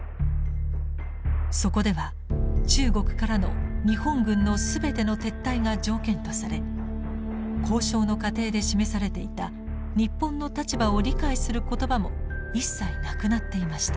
そこでは中国からの日本軍の全ての撤退が条件とされ交渉の過程で示されていた日本の立場を理解する言葉も一切なくなっていました。